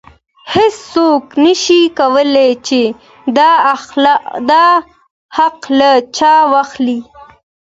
هیڅوک نشي کولی چې دا حق له چا واخلي.